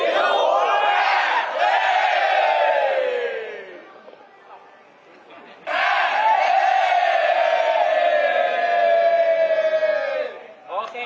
สัตว์